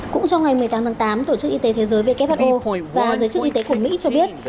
cũng trong ngày một mươi tám tháng tám tổ chức y tế thế giới who và giới chức y tế của mỹ cho biết